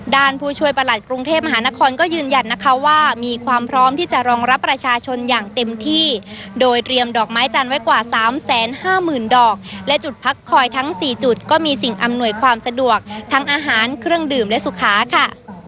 ผู้ช่วยประหลัดกรุงเทพมหานครก็ยืนยันนะคะว่ามีความพร้อมที่จะรองรับประชาชนอย่างเต็มที่โดยเตรียมดอกไม้จันทร์ไว้กว่า๓๕๐๐๐ดอกและจุดพักคอยทั้ง๔จุดก็มีสิ่งอำนวยความสะดวกทั้งอาหารเครื่องดื่มและสุขาค่ะ